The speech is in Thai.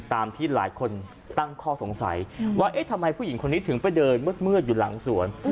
ตามที่หลายคนตั้งข้อสงสัยว่าเอ๊ะทำไมผู้หญิงคนนี้ถึงไปเดินมืดอยู่หลังสวน